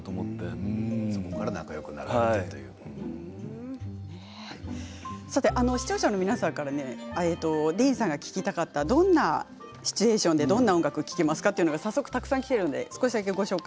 すごいだから視聴者の皆さんからディーンさんが聞きたかったどんなシチュエーションでどんな音楽を聴きますか？ということにたくさんきています。